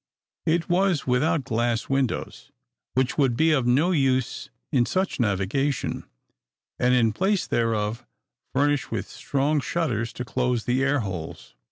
It was without glass windows, which would be of no use in such navigation, and, in place thereof, furnished with strong shutters to close the air holes.